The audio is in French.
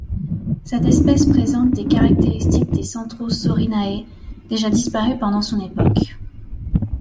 Cette espèce présente des caractéristiques des Centrosaurinae, déjà disparus pendant son époque.